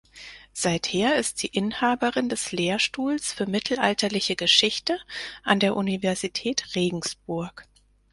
Seither ist sie Inhaberin des Lehrstuhls für Mittelalterliche Geschichte an der Universität Regensburg.